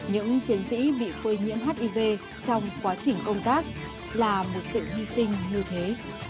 những chiến sĩ bị phơi nhiễm hiv trong quá trình công tác là một sự hy sinh như thế